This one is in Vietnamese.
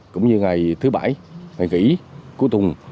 cũng như ngày thứ bảy ngày nghỉ cuối tuần